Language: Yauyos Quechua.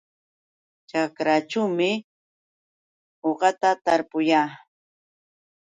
Ćhakraćhuumi uqata tarpuyaa.